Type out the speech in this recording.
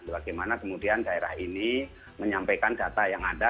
bagaimana kemudian daerah ini menyampaikan data yang ada